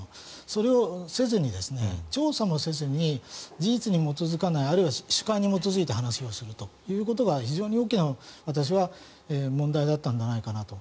それをせずに調査もせずに事実に基づかないあるいは主観に基づいて話をするということが非常に大きな、私は問題だったんじゃないかなと。